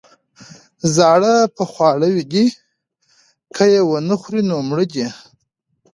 ـ زاړه په خواړه دي، که يې ونخوري نو مړه دي.